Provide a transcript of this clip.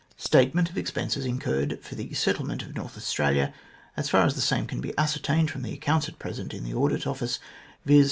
Statement of expenses incurred for the Settlement at North Australia, as far as the same can be ascertained from the accounts at present in the Audit Office, viz.